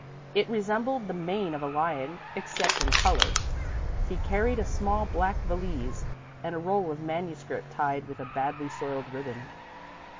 It resembled the mane of a lion, except in colour. He carried a small black valise, and a roll of manuscript tied with a badly soiled ribbon.